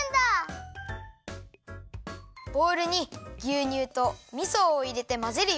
ボウルにぎゅうにゅうとみそをいれてまぜるよ！